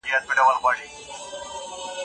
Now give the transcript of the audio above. آیا قطبي واوري تر غرنیو واورو تلپاتي دي؟